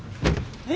え！